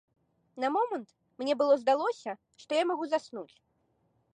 На момант мне было здалося, што я магу заснуць.